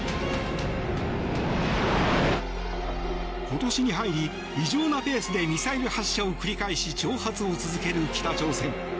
今年に入り異常なペースでミサイル発射を繰り返し挑発を続ける北朝鮮。